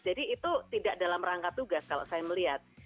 jadi itu tidak dalam rangka tugas kalau saya melihat